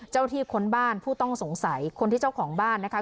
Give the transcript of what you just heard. ที่ค้นบ้านผู้ต้องสงสัยคนที่เจ้าของบ้านนะคะ